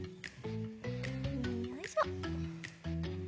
よいしょ。